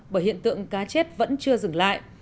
bởi hiện tượng cá chết vẫn chưa dừng lại